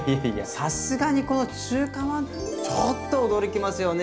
さすがにこの中華まんちょっと驚きますよね。